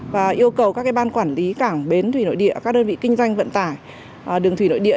và yêu cầu các ban quản lý cảng bến thủy nội địa các đơn vị kinh doanh vận tải đường thủy nội địa